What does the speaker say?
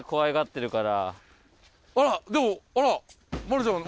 あっでもあら。